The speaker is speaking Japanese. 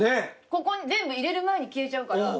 ここに全部入れる前に消えちゃうから止まっちゃう。